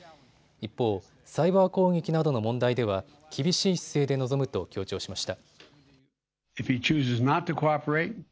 一方、サイバー攻撃などの問題では厳しい姿勢で臨むと強調しました。